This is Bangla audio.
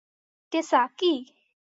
টেসা, কি--?